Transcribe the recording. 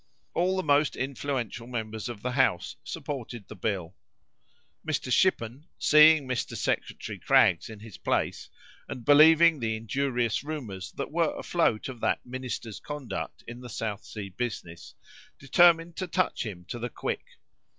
All the most influential members of the House supported the bill. Mr. Shippen, seeing Mr. Secretary Craggs in his place, and believing the injurious rumours that were afloat of that minister's conduct in the South Sea business, determined to touch him to the quick.